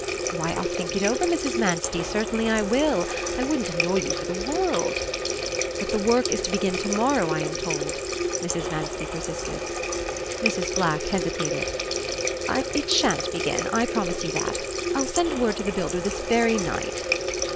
"Why, I'll think it over, Mrs. Manstey, certainly I will. I wouldn't annoy you for the world " "But the work is to begin to morrow, I am told," Mrs. Manstey persisted. Mrs. Black hesitated. "It shan't begin, I promise you that; I'll send word to the builder this very night."